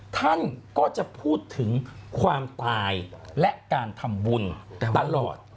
ท่านก็จะพูดถึงความตายและการทำบุญตลอด